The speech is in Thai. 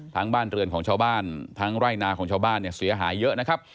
บ้านเรือนของชาวบ้านทั้งไร่นาของชาวบ้านเนี่ยเสียหายเยอะนะครับ